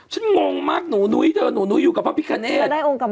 ฉันงงมากหนูนุ๊ยเธอหนูนุ๊ยอยู่กับพระพิกัณฑ์